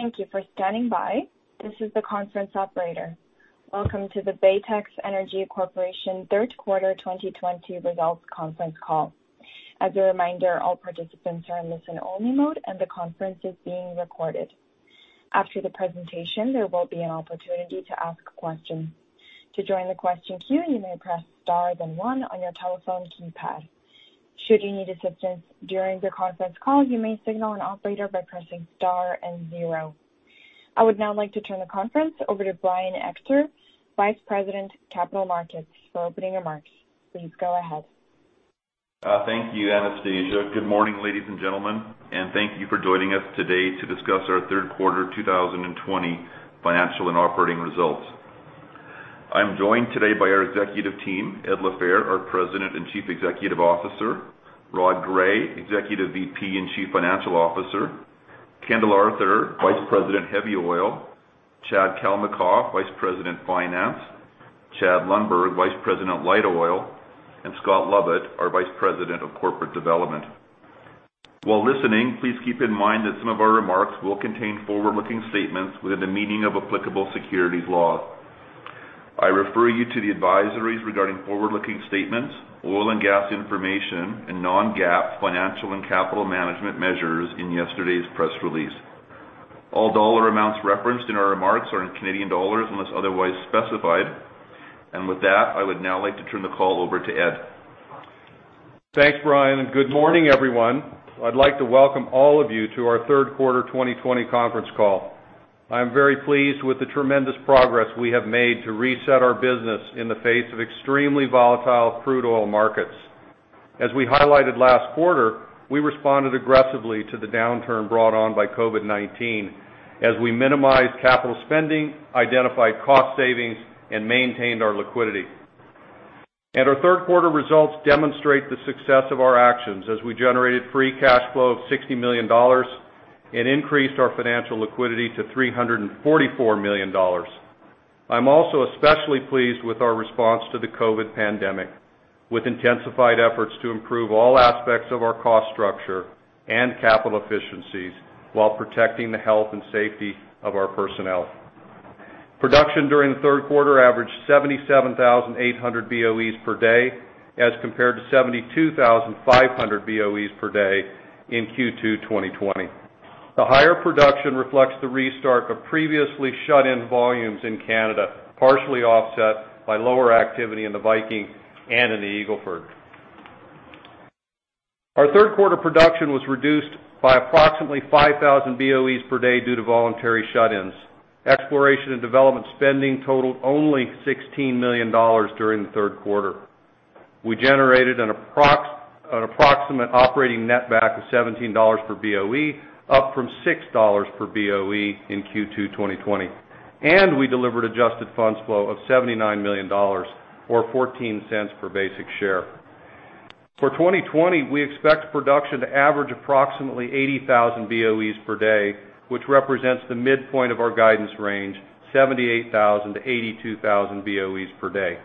Thank you for standing by. This is the conference operator. Welcome to the Baytex Energy Corporation Third Quarter 2020 Results Conference Call. As a reminder, all participants are in listen-only mode, and the conference is being recorded. After the presentation, there will be an opportunity to ask a question. To join the question queue, you may press star then one on your telephone keypad. Should you need assistance during the conference call, you may signal an operator by pressing star and zero. I would now like to turn the conference over to Brian Ector, Vice President, Capital Markets, for opening remarks. Please go ahead. Thank you, Anastasia. Good morning, ladies and gentlemen, and thank you for joining us today to discuss our Third Quarter 2020 financial and operating results. I'm joined today by our executive team, Ed LaFehr, our President and Chief Executive Officer, Rod Gray, Executive VP and Chief Financial Officer, Kendall Arthur, Vice President, Heavy Oil, Chad Kalmakoff, Vice President, Finance, Chad Lundberg, Vice President, Light Oil, and Scott Lovett, our Vice President of Corporate Development. While listening, please keep in mind that some of our remarks will contain forward-looking statements within the meaning of applicable securities law. I refer you to the advisories regarding forward-looking statements, oil and gas information, and non-GAAP financial and capital management measures in yesterday's press release. All dollar amounts referenced in our remarks are in Canadian dollars unless otherwise specified. With that, I would now like to turn the call over to Ed. Thanks, Brian. Good morning, everyone. I'd like to welcome all of you to our Third Quarter 2020 Conference Call. I'm very pleased with the tremendous progress we have made to reset our business in the face of extremely volatile crude oil markets. As we highlighted last quarter, we responded aggressively to the downturn brought on by COVID-19 as we minimized capital spending, identified cost savings, and maintained our liquidity. Our Third Quarter results demonstrate the success of our actions as we generated free cash flow of CAD 60 million and increased our financial liquidity to CAD 344 million. I'm also especially pleased with our response to the COVID pandemic, with intensified efforts to improve all aspects of our cost structure and capital efficiencies while protecting the health and safety of our personnel. Production during the third quarter averaged 77,800 BOEs per day as compared to 72,500 BOEs per day in Q2 2020. The higher production reflects the restart of previously shut-in volumes in Canada, partially offset by lower activity in the Viking and in the Eagle Ford. Our third quarter production was reduced by approximately 5,000 BOEs per day due to voluntary shut-ins. Exploration and development spending totaled only 16 million dollars during the third quarter. We generated an approximate operating netback of 17 dollars per BOE, up from 6 dollars per BOE in Q2 2020, and we delivered adjusted funds flow of 79 million dollars, or 0.14 per basic share. For 2020, we expect production to average approximately 80,000 BOEs per day, which represents the midpoint of our guidance range, 78,000-82,000 BOEs per day.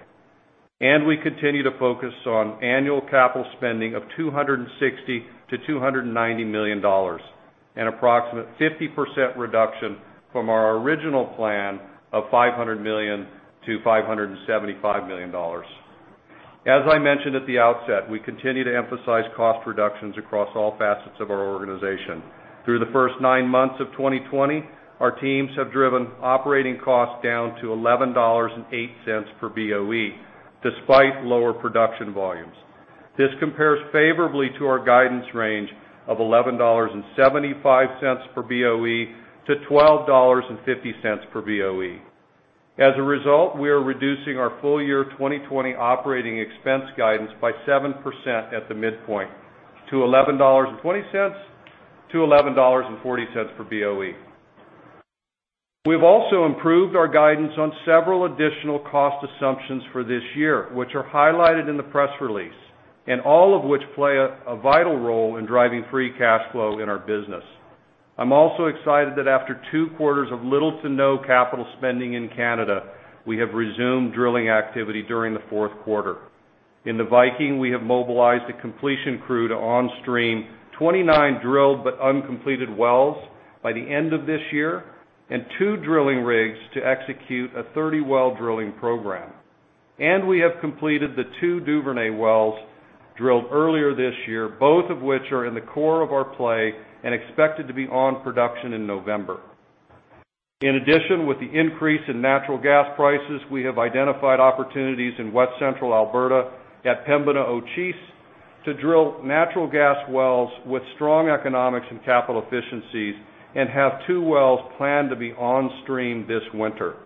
We continue to focus on annual capital spending of 260-290 million dollars, an approximate 50% reduction from our original plan of 500-575 million dollars. As I mentioned at the outset, we continue to emphasize cost reductions across all facets of our organization. Through the first nine months of 2020, our teams have driven operating costs down to 11.08 dollars per BOE, despite lower production volumes. This compares favorably to our guidance range of 11.75-12.50 dollars per BOE. As a result, we are reducing our full year 2020 operating expense guidance by 7% at the midpoint, to 11.20-11.40 dollars per BOE. We've also improved our guidance on several additional cost assumptions for this year, which are highlighted in the press release, and all of which play a vital role in driving free cash flow in our business. I'm also excited that after two quarters of little to no capital spending in Canada, we have resumed drilling activity during the fourth quarter. In the Viking, we have mobilized a completion crew to on-stream 29 drilled but uncompleted wells by the end of this year, and two drilling rigs to execute a 30-well drilling program, and we have completed the two Duvernay wells drilled earlier this year, both of which are in the core of our play and expected to be on production in November. In addition, with the increase in natural gas prices, we have identified opportunities in West Central Alberta at Pembina O'Chiese to drill natural gas wells with strong economics and capital efficiencies and have two wells planned to be on-stream this winter.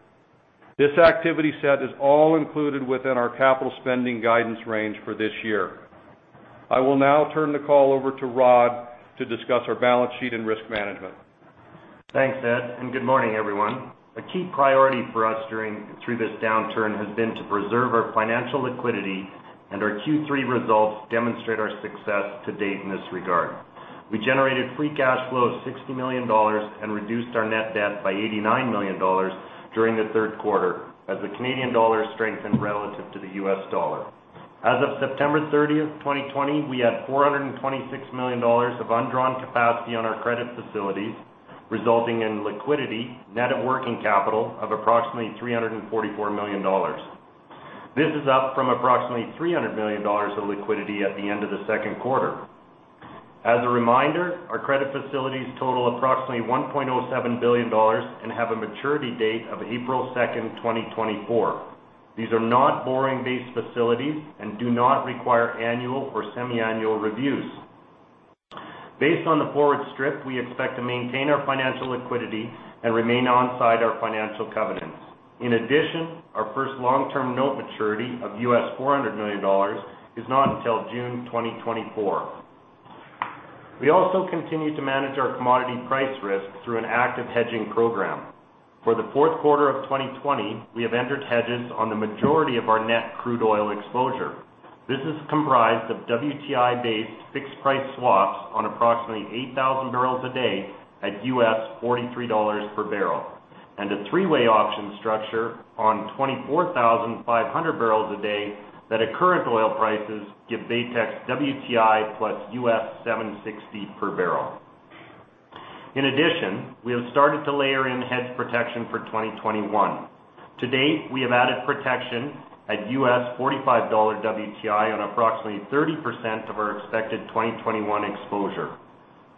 This activity set is all included within our capital spending guidance range for this year. I will now turn the call over to Rod to discuss our balance sheet and risk management. Thanks, Ed, and good morning, everyone. A key priority for us through this downturn has been to preserve our financial liquidity, and our Q3 results demonstrate our success to date in this regard. We generated free cash flow of 60 million dollars and reduced our net debt by 89 million dollars during the third quarter as the Canadian dollar strengthened relative to the US dollar. As of September 30, 2020, we had 426 million dollars of undrawn capacity on our credit facilities, resulting in liquidity, net of working capital, of approximately 344 million dollars. This is up from approximately 300 million dollars of liquidity at the end of the second quarter. As a reminder, our credit facilities total approximately 1.07 billion dollars and have a maturity date of April 2, 2024. These are not borrowing-based facilities and do not require annual or semiannual reviews. Based on the forward strip, we expect to maintain our financial liquidity and remain onside our financial covenants. In addition, our first long-term note maturity of $400 million is not until June 2024. We also continue to manage our commodity price risk through an active hedging program. For the fourth quarter of 2020, we have entered hedges on the majority of our net crude oil exposure. This is comprised of WTI-based fixed-price swaps on approximately 8,000 barrels a day at $43 per barrel, and a three-way option structure on 24,500 barrels a day that at current oil prices give Baytex WTI plus $0.76 per barrel. In addition, we have started to layer in hedge protection for 2021. To date, we have added protection at $45 WTI on approximately 30% of our expected 2021 exposure.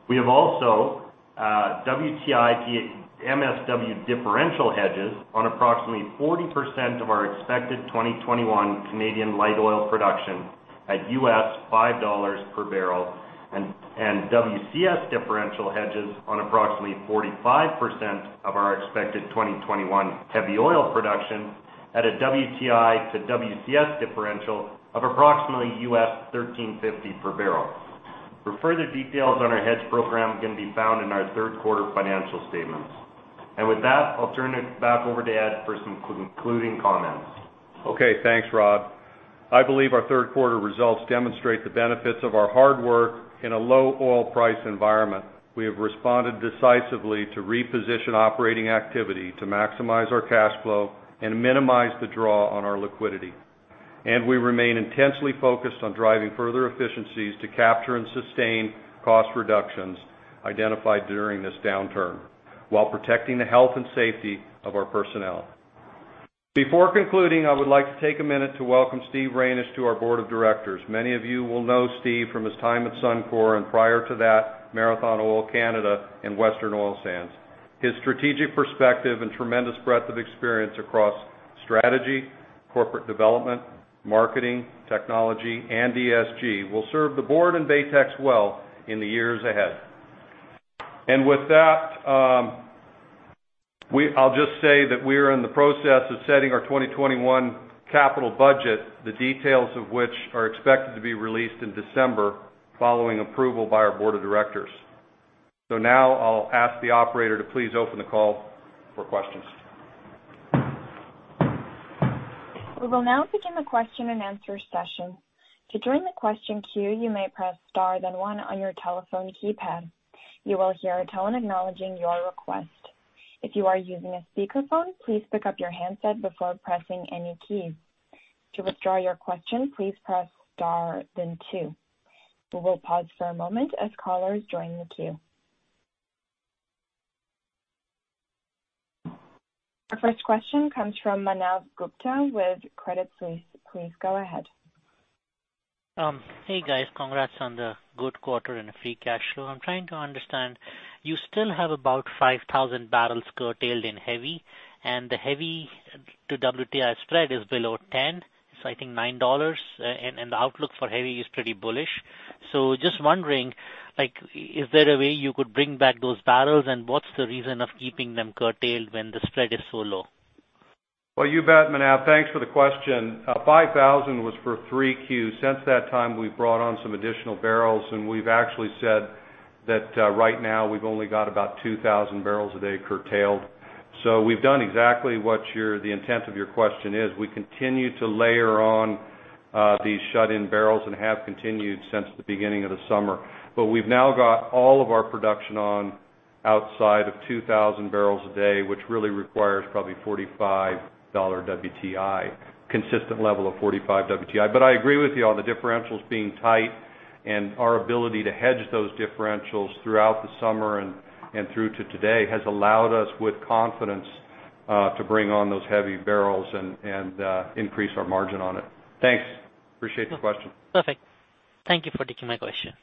We have also WTI MSW differential hedges on approximately 40% of our expected 2021 Canadian light oil production at $5 per barrel, and WCS differential hedges on approximately 45% of our expected 2021 heavy oil production at a WTI to WCS differential of approximately $13.50 per barrel. For further details on our hedge program, can be found in our Third Quarter financial statements. And with that, I'll turn it back over to Ed for some concluding comments. Okay, thanks, Rod. I believe our third quarter results demonstrate the benefits of our hard work in a low oil price environment. We have responded decisively to reposition operating activity to maximize our cash flow and minimize the draw on our liquidity, and we remain intensely focused on driving further efficiencies to capture and sustain cost reductions identified during this downturn while protecting the health and safety of our personnel. Before concluding, I would like to take a minute to welcome Steve Reynish to our Board of Directors. Many of you will know Steve from his time at Suncor and prior to that, Marathon Oil Canada and Western Oil Sands. His strategic perspective and tremendous breadth of experience across strategy, corporate development, marketing, technology, and ESG will serve the board and Baytex well in the years ahead. And with that, I'll just say that we are in the process of setting our 2021 capital budget, the details of which are expected to be released in December following approval by our Board of Directors. So now I'll ask the operator to please open the call for questions. We will now begin the question and answer session. To join the question queue, you may press star then one on your telephone keypad. You will hear a tone acknowledging your request. If you are using a speakerphone, please pick up your handset before pressing any keys. To withdraw your question, please press star then two. We will pause for a moment as callers join the queue. Our first question comes from Manav Gupta with Credit Suisse. Please go ahead. Hey, guys. Congrats on the good quarter and free cash flow. I'm trying to understand. You still have about 5,000 barrels curtailed in heavy, and the heavy to WTI spread is below 10, so I think $9. And the outlook for heavy is pretty bullish. So just wondering, is there a way you could bring back those barrels, and what's the reason of keeping them curtailed when the spread is so low? You bet, Manav. Thanks for the question. 5,000 was for 3Q. Since that time, we've brought on some additional barrels, and we've actually said that right now we've only got about 2,000 barrels a day curtailed. So we've done exactly what the intent of your question is. We continue to layer on these shut-in barrels and have continued since the beginning of the summer. But we've now got all of our production on outside of 2,000 barrels a day, which really requires probably $45 WTI, consistent level of 45 WTI. But I agree with you on the differentials being tight, and our ability to hedge those differentials throughout the summer and through to today has allowed us with confidence to bring on those heavy barrels and increase our margin on it. Thanks. Appreciate the question. Perfect. Thank you for taking my question.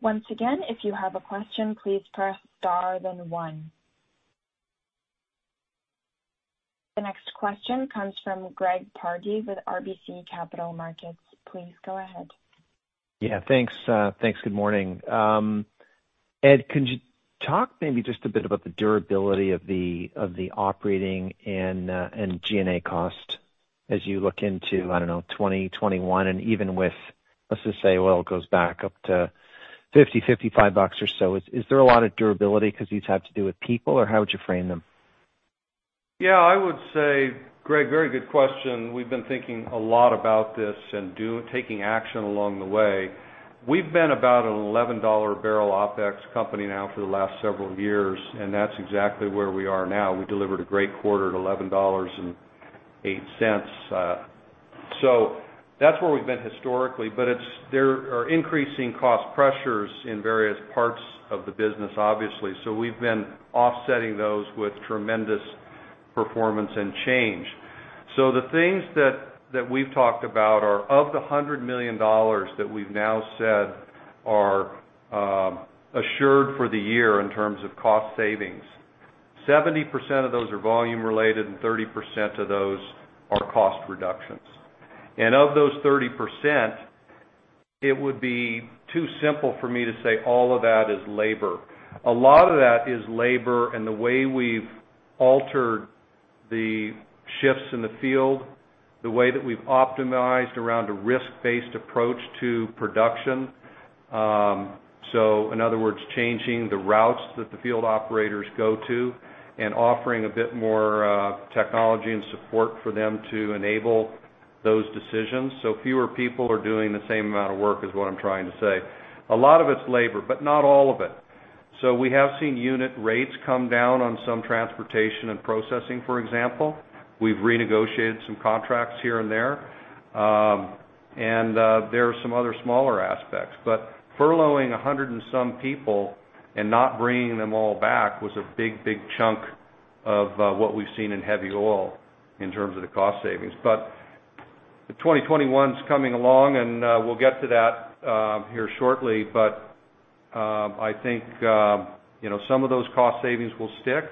Once again, if you have a question, please press star then one. The next question comes from Greg Pardy with RBC Capital Markets. Please go ahead. Yeah, thanks. Thanks. Good morning. Ed, can you talk maybe just a bit about the durability of the operating and G&A cost as you look into, I don't know, 2021, and even with, let's just say, oil goes back up to $50-$55 or so? Is there a lot of durability because these have to do with people, or how would you frame them? Yeah, I would say, Greg, very good question. We've been thinking a lot about this and taking action along the way. We've been about an $11 barrel OpEx company now for the last several years, and that's exactly where we are now. We delivered a great quarter at $11.08, so that's where we've been historically, but there are increasing cost pressures in various parts of the business, obviously, so we've been offsetting those with tremendous performance and change, so the things that we've talked about are, of the $100 million that we've now said are assured for the year in terms of cost savings, 70% of those are volume-related, and 30% of those are cost reductions, and of those 30%, it would be too simple for me to say all of that is labor. A lot of that is labor and the way we've altered the shifts in the field, the way that we've optimized around a risk-based approach to production. So, in other words, changing the routes that the field operators go to and offering a bit more technology and support for them to enable those decisions. So fewer people are doing the same amount of work is what I'm trying to say. A lot of it's labor, but not all of it. So we have seen unit rates come down on some transportation and processing, for example. We've renegotiated some contracts here and there. And there are some other smaller aspects. But furloughing 100 and some people and not bringing them all back was a big, big chunk of what we've seen in heavy oil in terms of the cost savings. But 2021's coming along, and we'll get to that here shortly, but I think some of those cost savings will stick,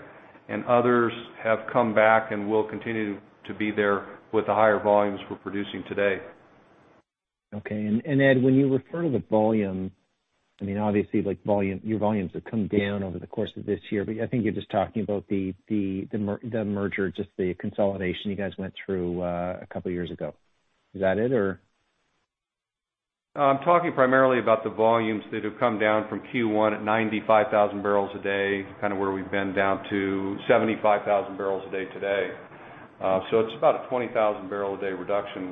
and others have come back and will continue to be there with the higher volumes we're producing today. Okay. And Ed, when you refer to the volume, I mean, obviously, your volumes have come down over the course of this year, but I think you're just talking about the merger, just the consolidation you guys went through a couple of years ago. Is that it, or? I'm talking primarily about the volumes that have come down from Q1 at 95,000 barrels a day, kind of where we've been down to 75,000 barrels a day today. So it's about a 20,000 barrel a day reduction.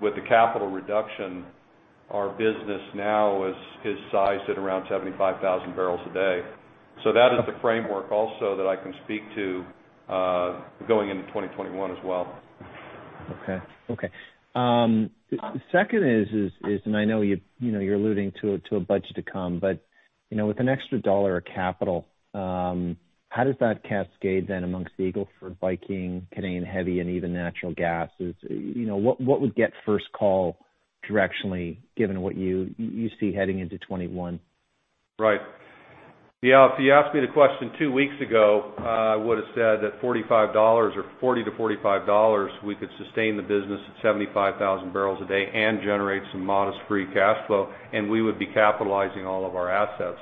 With the capital reduction, our business now is sized at around 75,000 barrels a day. So that is the framework also that I can speak to going into 2021 as well. Okay. Second is, and I know you're alluding to a budget to come, but with an extra dollar of capital, how does that cascade then among Eagle Ford, Viking, Canadian heavy, and even natural gases? What would get first call directionally given what you see heading into 2021? Right. Yeah. If you asked me the question two weeks ago, I would have said that $45 or $40-$45, we could sustain the business at 75,000 barrels a day and generate some modest free cash flow, and we would be capitalizing all of our assets,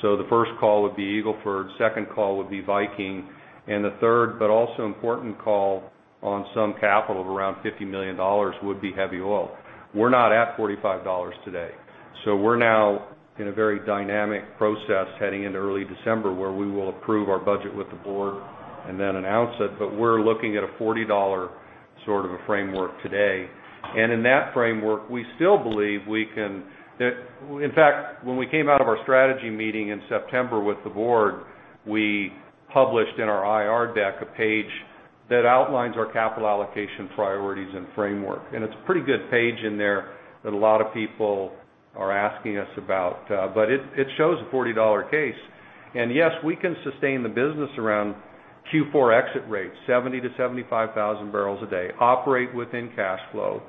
so the first call would be Eagle Ford, second call would be Viking, and the third, but also important call on some capital of around $50 million would be heavy oil. We're not at $45 today, so we're now in a very dynamic process heading into early December where we will approve our budget with the board and then announce it, but we're looking at a $40 sort of a framework today. And in that framework, we still believe we can, in fact, when we came out of our strategy meeting in September with the board, we published in our IR deck a page that outlines our capital allocation priorities and framework. And it's a pretty good page in there that a lot of people are asking us about, but it shows a $40 case. And yes, we can sustain the business around Q4 exit rates, 70,000-75,000 barrels a day, operate within cash flow,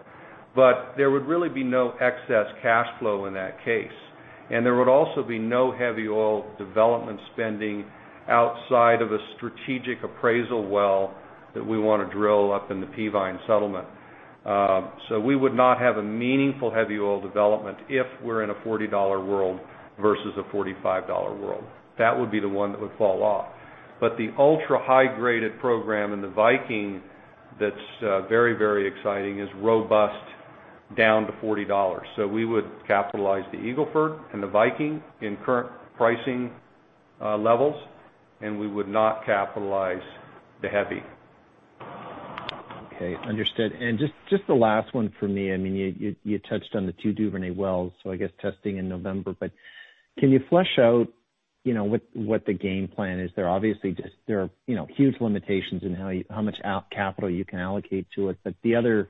but there would really be no excess cash flow in that case. And there would also be no heavy oil development spending outside of a strategic appraisal well that we want to drill up in the Peavine Settlement. So we would not have a meaningful heavy oil development if we're in a $40 world versus a $45 world. That would be the one that would fall off. But the ultra high-graded program in the Viking that's very, very exciting is robust down to $40. So we would capitalize the Eagle Ford and the Viking in current pricing levels, and we would not capitalize the heavy. Okay. Understood. And just the last one for me. I mean, you touched on the two Duvernay wells, so I guess testing in November, but can you flesh out what the game plan is? There are obviously just huge limitations in how much capital you can allocate to it, but the other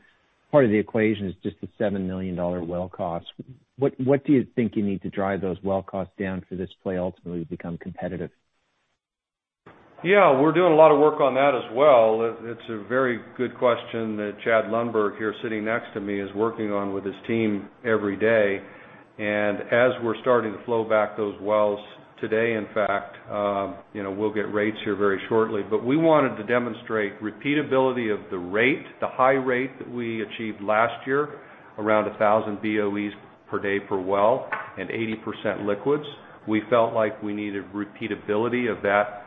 part of the equation is just the $7 million well costs. What do you think you need to drive those well costs down for this play ultimately to become competitive? Yeah. We're doing a lot of work on that as well. It's a very good question that Chad Lundberg here, sitting next to me, is working on with his team every day, and as we're starting to flow back those wells today, in fact, we'll get rates here very shortly, but we wanted to demonstrate repeatability of the rate, the high rate that we achieved last year, around 1,000 BOEs per day per well and 80% liquids. We felt like we needed repeatability of that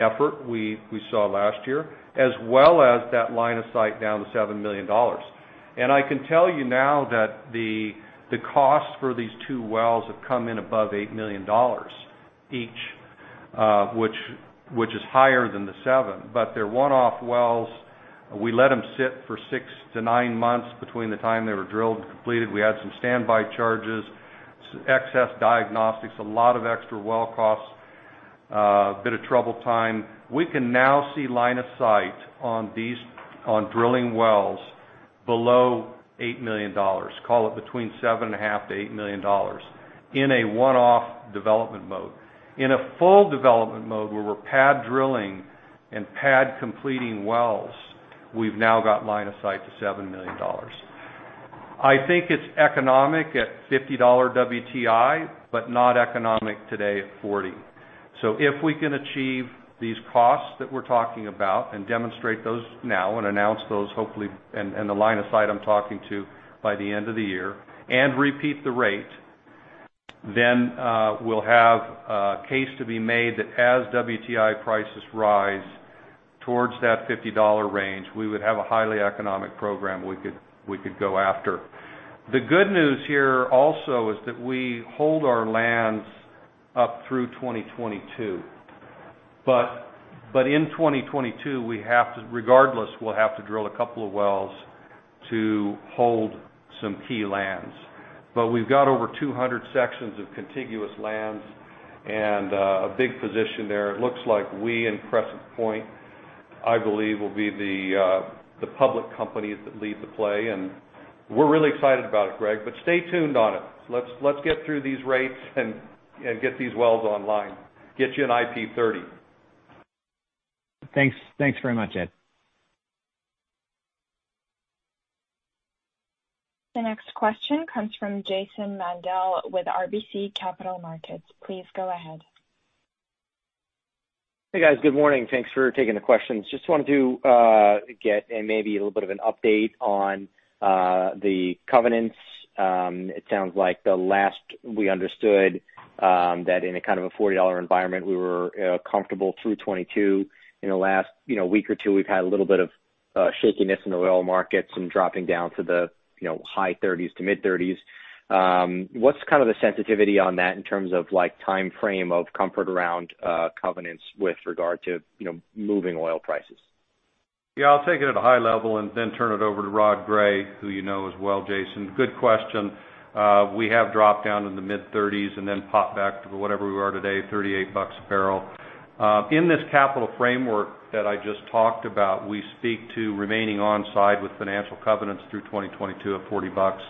effort we saw last year, as well as that line of sight down to 7 million dollars, and I can tell you now that the cost for these two wells have come in above 8 million dollars each, which is higher than the seven, but their one-off wells, we let them sit for six to nine months between the time they were drilled and completed. We had some standby charges, excess diagnostics, a lot of extra well costs, a bit of trouble time. We can now see line of sight on drilling wells below $8 million, call it between $7.5-$8 million in a one-off development mode. In a full development mode where we're pad drilling and pad completing wells, we've now got line of sight to $7 million. I think it's economic at $50 WTI, but not economic today at $40. So if we can achieve these costs that we're talking about and demonstrate those now and announce those, hopefully, and the line of sight I'm talking to by the end of the year and repeat the rate, then we'll have a case to be made that as WTI prices rise towards that $50 range, we would have a highly economic program we could go after. The good news here also is that we hold our lands up through 2022. But in 2022, regardless, we'll have to drill a couple of wells to hold some key lands. But we've got over 200 sections of contiguous lands and a big position there. It looks like we in Crescent Point, I believe, will be the public companies that lead the play. And we're really excited about it, Greg, but stay tuned on it. Let's get through these rates and get these wells online. Get you an IP30. Thanks very much, Ed. The next question comes from Jason Mandel with RBC Capital Markets. Please go ahead. Hey, guys. Good morning. Thanks for taking the questions. Just wanted to get maybe a little bit of an update on the covenants. It sounds like the last we understood that in a kind of a $40 environment, we were comfortable through 2022. In the last week or two, we've had a little bit of shakiness in the oil markets and dropping down to the high 30s to mid-30s. What's kind of the sensitivity on that in terms of timeframe of comfort around covenants with regard to moving oil prices? Yeah. I'll take it at a high level and then turn it over to Rod Gray, who you know as well, Jason. Good question. We have dropped down in the mid-30s and then popped back to whatever we were today, 38 bucks a barrel. In this capital framework that I just talked about, we speak to remaining onside with financial covenants through 2022 at 40 bucks,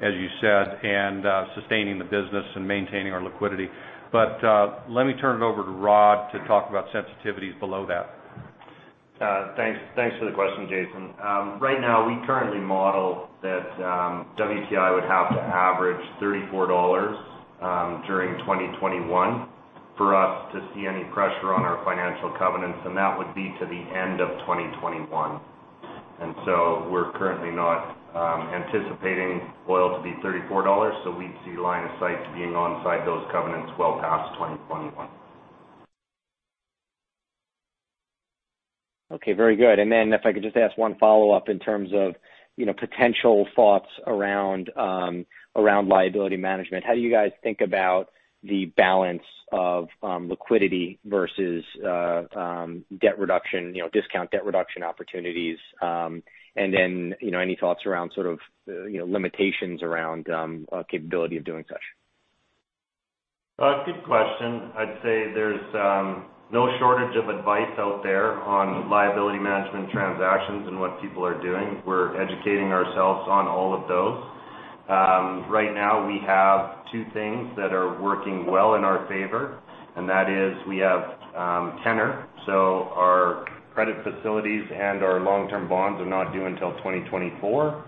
as you said, and sustaining the business and maintaining our liquidity. But let me turn it over to Rod to talk about sensitivities below that. Thanks for the question, Jason. Right now, we currently model that WTI would have to average $34 during 2021 for us to see any pressure on our financial covenants, and that would be to the end of 2021, and so we're currently not anticipating oil to be $34, so we'd see line of sight being onside those covenants well past 2021. Okay. Very good. And then if I could just ask one follow-up in terms of potential thoughts around liability management. How do you guys think about the balance of liquidity versus discount debt reduction opportunities? And then any thoughts around sort of limitations around capability of doing such? Good question. I'd say there's no shortage of advice out there on liability management transactions and what people are doing. We're educating ourselves on all of those. Right now, we have two things that are working well in our favor, and that is we have tenor. So our credit facilities and our long-term bonds are not due until 2024.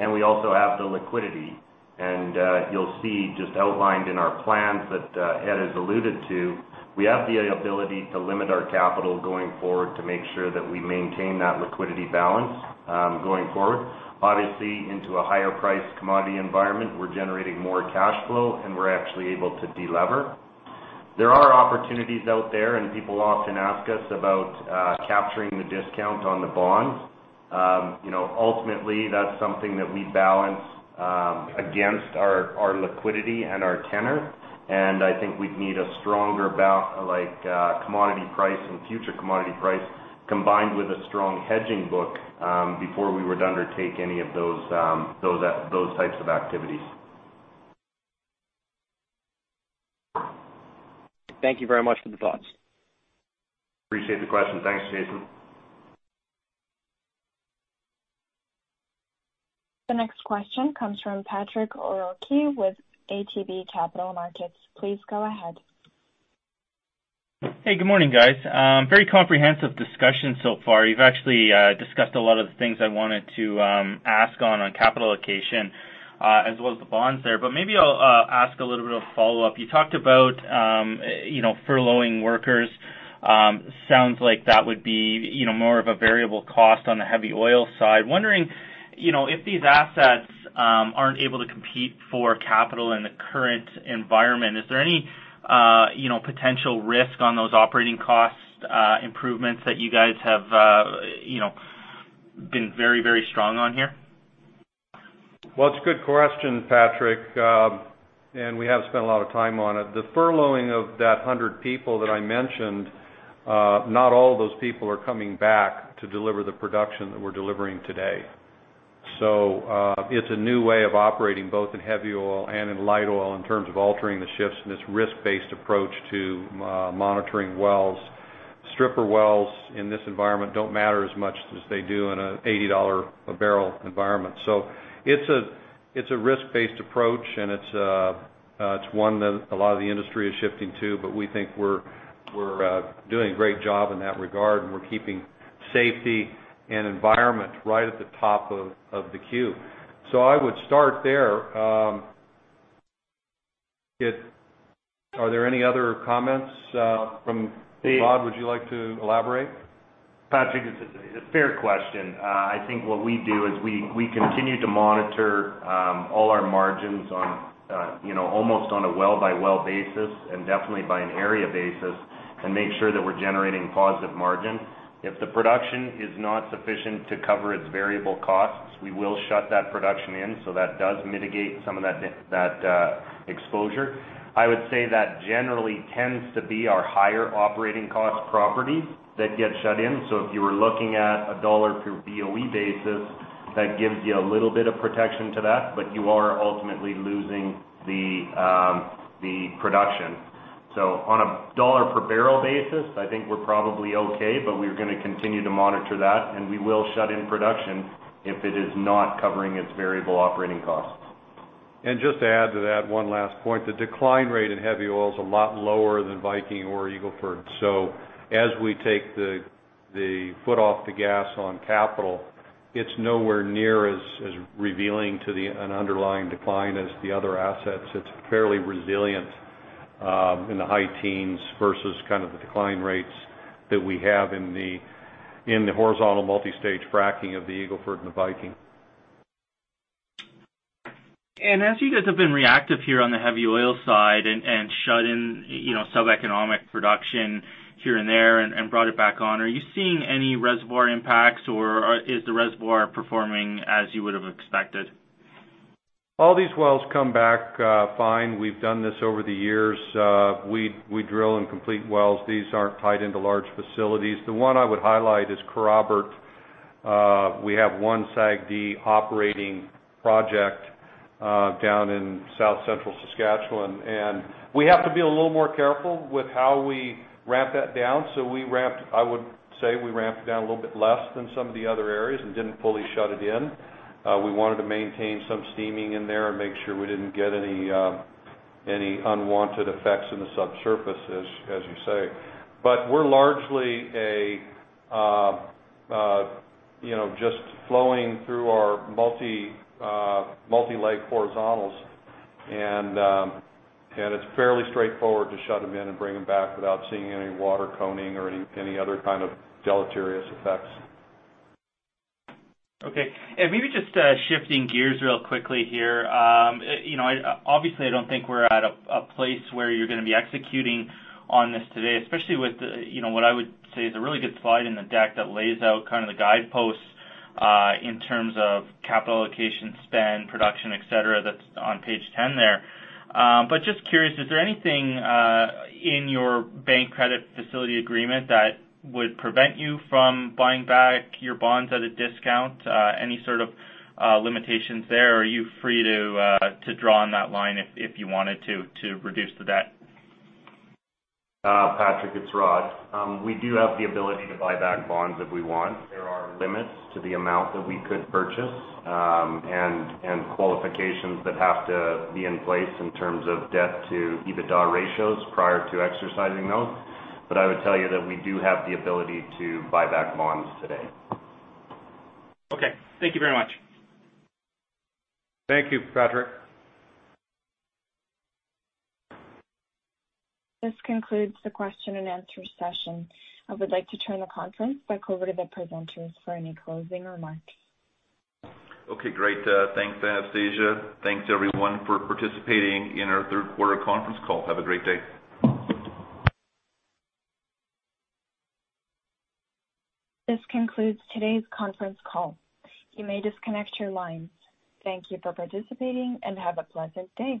And we also have the liquidity. And you'll see just outlined in our plans that Ed has alluded to, we have the ability to limit our capital going forward to make sure that we maintain that liquidity balance going forward. Obviously, into a higher-priced commodity environment, we're generating more cash flow, and we're actually able to delever. There are opportunities out there, and people often ask us about capturing the discount on the bonds. Ultimately, that's something that we balance against our liquidity and our tenor. I think we'd need a stronger commodity price and future commodity price combined with a strong hedging book before we would undertake any of those types of activities. Thank you very much for the thoughts. Appreciate the question. Thanks, Jason. The next question comes from Patrick O'Rourke with ATB Capital Markets. Please go ahead. Hey, good morning, guys. Very comprehensive discussion so far. You've actually discussed a lot of the things I wanted to ask on capital allocation as well as the bonds there. But maybe I'll ask a little bit of a follow-up. You talked about furloughing workers. Sounds like that would be more of a variable cost on the heavy oil side. Wondering if these assets aren't able to compete for capital in the current environment, is there any potential risk on those operating cost improvements that you guys have been very, very strong on here? It's a good question, Patrick, and we haven't spent a lot of time on it. The furloughing of that 100 people that I mentioned, not all of those people are coming back to deliver the production that we're delivering today. It's a new way of operating both in heavy oil and in light oil in terms of altering the shifts and this risk-based approach to monitoring wells. Stripper wells in this environment don't matter as much as they do in an $80 a barrel environment. It's a risk-based approach, and it's one that a lot of the industry is shifting to, but we think we're doing a great job in that regard, and we're keeping safety and environment right at the top of the queue. I would start there. Are there any other comments from Rod? Would you like to elaborate? Patrick, it's a fair question. I think what we do is we continue to monitor all our margins almost on a well-by-well basis and definitely by an area basis and make sure that we're generating positive margin. If the production is not sufficient to cover its variable costs, we will shut that production in. So that does mitigate some of that exposure. I would say that generally tends to be our higher operating cost properties that get shut in. So if you were looking at a dollar per BOE basis, that gives you a little bit of protection to that, but you are ultimately losing the production. So on a dollar per barrel basis, I think we're probably okay, but we're going to continue to monitor that, and we will shut in production if it is not covering its variable operating costs. Just to add to that, one last point. The decline rate in heavy oil is a lot lower than Viking or Eagle Ford. As we take the foot off the gas on capital, it's nowhere near as revealing to an underlying decline as the other assets. It's fairly resilient in the high teens versus kind of the decline rates that we have in the horizontal multi-stage fracking of the Eagle Ford and the Viking. As you guys have been reactive here on the heavy oil side and shut in sub-economic production here and there and brought it back on, are you seeing any reservoir impacts, or is the reservoir performing as you would have expected? All these wells come back fine. We've done this over the years. We drill and complete wells. These aren't tied into large facilities. The one I would highlight is Kerrobert. We have one SAGD operating project down in south central Saskatchewan, and we have to be a little more careful with how we ramp that down, so I would say we ramped it down a little bit less than some of the other areas and didn't fully shut it in. We wanted to maintain some steaming in there and make sure we didn't get any unwanted effects in the subsurface, as you say, but we're largely just flowing through our multi-leg horizontals, and it's fairly straightforward to shut them in and bring them back without seeing any water coning or any other kind of deleterious effects. Okay. And maybe just shifting gears real quickly here. Obviously, I don't think we're at a place where you're going to be executing on this today, especially with what I would say is a really good slide in the deck that lays out kind of the guideposts in terms of capital allocation, spend, production, etc., that's on page 10 there. But just curious, is there anything in your bank credit facility agreement that would prevent you from buying back your bonds at a discount, any sort of limitations there? Or are you free to draw on that line if you wanted to reduce the debt? Patrick, it's Rod. We do have the ability to buy back bonds if we want. There are limits to the amount that we could purchase and qualifications that have to be in place in terms of debt to EBITDA ratios prior to exercising those. But I would tell you that we do have the ability to buy back bonds today. Okay. Thank you very much. Thank you, Patrick. This concludes the question and answer session. I would like to turn the conference back over to the presenters for any closing remarks. Okay. Great. Thanks, Anastasia. Thanks, everyone, for participating in our third quarter conference call. Have a great day. This concludes today's conference call. You may disconnect your lines. Thank you for participating and have a pleasant day.